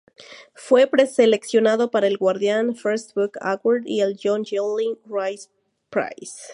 Fue preseleccionado para el "Guardian First Book Award" y el "John Llewellyn Rhys Prize".